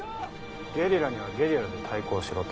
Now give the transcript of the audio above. ゲリラにはゲリラで対抗しろと？